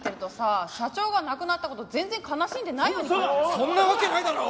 そんなわけないだろ！